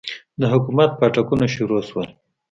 د حکومت پاټکونه شروع سول.